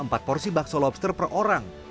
empat porsi bakso lobster per orang